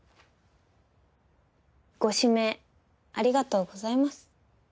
ご指名ありがとうございます。